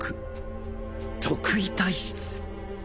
特異体質